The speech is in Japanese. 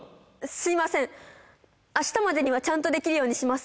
すみません明日までにはちゃんとできるようにします